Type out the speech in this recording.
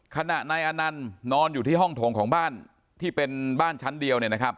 ขณะนายแอนันต์นอนอยู่ที่ห้องโถงของบ้านที่เป็นบ้านชั้นเดียว